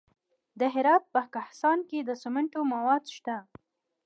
د هرات په کهسان کې د سمنټو مواد شته.